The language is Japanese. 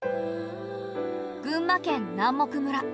群馬県南牧村。